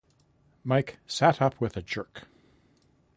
Mike sat up with a jerk.